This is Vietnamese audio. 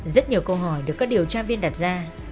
rất nhiều câu hỏi được các điều tra viên đặt ra